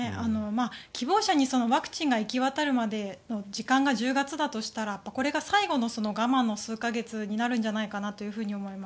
希望者にワクチンが行き渡るまでの時間が１０月だとしたらこれが最後の我慢の数か月になるんじゃないかと思います。